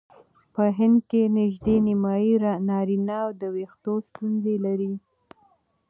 په هند کې نژدې نیمایي نارینه د وېښتو ستونزه لري.